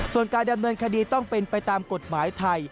ส่วนการดำเนินคดีต้องเป็นไปตามกฎหมายไทย